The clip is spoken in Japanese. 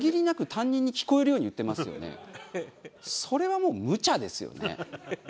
それはもうむちゃですよね？